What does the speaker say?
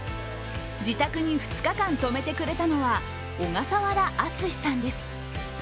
自宅に２日間、泊めてくれたのは小笠原篤さんです。